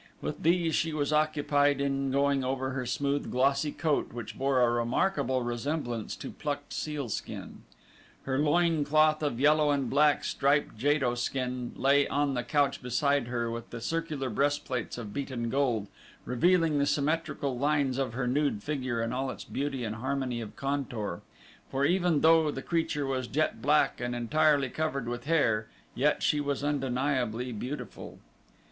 With these she was occupied in going over her smooth, glossy coat which bore a remarkable resemblance to plucked sealskin. Her loin cloth of yellow and black striped JATO skin lay on the couch beside her with the circular breastplates of beaten gold, revealing the symmetrical lines of her nude figure in all its beauty and harmony of contour, for even though the creature was jet black and entirely covered with hair yet she was undeniably beautiful.